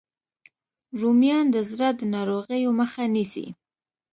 رومیان د زړه د ناروغیو مخه نیسي